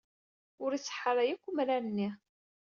Ur iṣeḥḥa ara yakk umrar-nni.